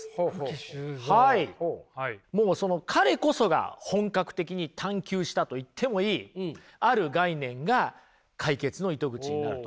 もう彼こそが本格的に探求したと言ってもいいある概念が解決の糸口になると。